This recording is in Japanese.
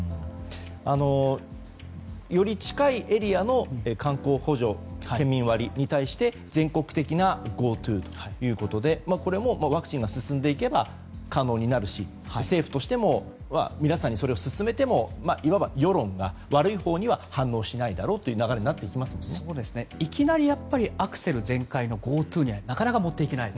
より近いエリアの観光補助県民割に対して全国的なＧｏＴｏということでこれもワクチンが進んでいけば可能になるし政府としても皆さんにそれを勧めてもいわば世論が悪いほうには反応しないだろうといういきなりアクセル全開のＧｏＴｏにはなかなか持っていけない。